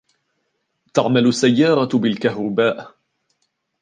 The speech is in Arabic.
تعمل السيارة بالكهرباء.